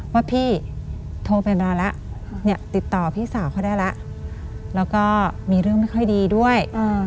ว่าพี่โทรเป็นเวลาแล้วเนี่ยติดต่อพี่สาวเขาได้แล้วแล้วก็มีเรื่องไม่ค่อยดีด้วย